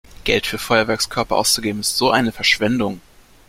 Geld für Feuerwerkskörper auszugeben ist so eine Verschwendung!